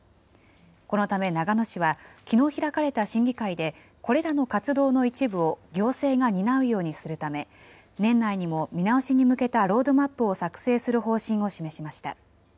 このため長野市はきのう開かれた審議会で、これらの活動の一部を行政が担うようにするため、年内にも見直しに向けたロードマップを作成する方針を示しました。